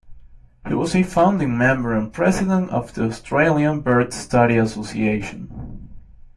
He was a founding member and President of the Australian Bird Study Association.